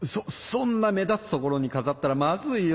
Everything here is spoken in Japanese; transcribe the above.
そんな目立つ所にかざったらまずいよ！